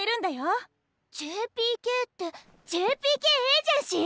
ＪＰＫってＪＰＫエージェンシー！？